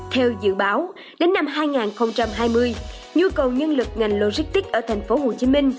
theo dự báo đến năm hai nghìn hai mươi nhu cầu nhân lực ngành logistics ở tp hcm